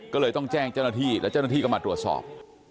ก็เลยต้องแจ้งเจ้าหน้าที่และเจ้าหน้าที่ก็มาตรวจสอบ